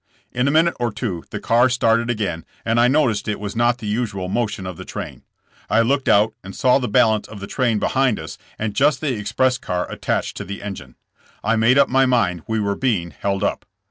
In a minute or two the car started again and I noticed it was not the usual mo tion of the train. I looked out and saw the balance of the train behind us and just the express car at tached to the engine. I made up my mind we were being held up.